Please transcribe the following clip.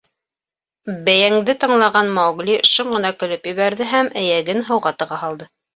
Бәйәңде тыңлаған Маугли шым ғына көлөп ебәрҙе һәм эйәген һыуға тыға һалды.